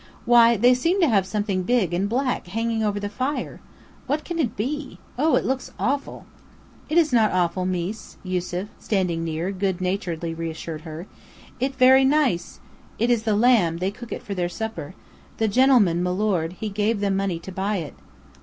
Why, they seem to have something big and black hanging over the fire. What can it be? Oh, it looks awful!" "It is not awful, mees," Yusef, standing near, good naturedly reassured her. "It very naice. It is the lamb, they cook for their supper. The genelman, milord, he give them money to buy it."